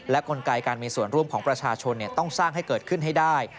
กลไกการมีส่วนร่วมของประชาชนต้องสร้างให้เกิดขึ้นให้ได้